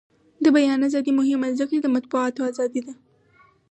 د بیان ازادي مهمه ده ځکه چې د مطبوعاتو ازادي ده.